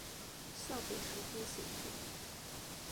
效果十分显著